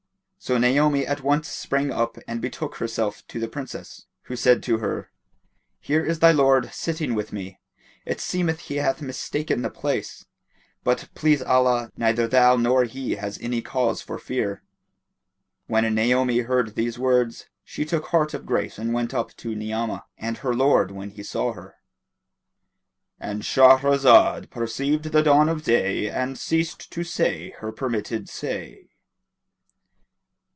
So Naomi at once sprang up and betook herself to the Princess, who said to her, "Here is thy lord sitting with me; it seemeth he hath mistaken the place; but, please Allah, neither thou nor he has any cause for fear." When Naomi heard these words, she took heart of grace and went up to Ni'amah; and her lord when he saw her.—And Shahrazad perceived the dawn of day and ceased to say her permitted say.